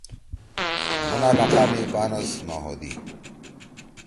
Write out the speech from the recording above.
مُھن علاقہ می بانس نہ ہودُو۔